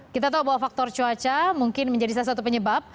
kita tahu bahwa faktor cuaca mungkin menjadi salah satu penyebab